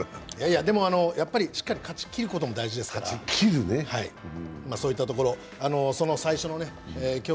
でもしっかり勝ちきることも大事ですからそういったところ、最初の強化